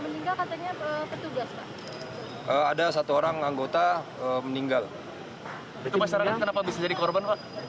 meninggal katanya petugas ada satu orang anggota meninggal itu masalah kenapa bisa jadi korban